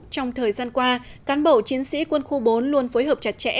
trong thời gian qua cán bộ chiến sĩ quân khu bốn luôn phối hợp chặt chẽ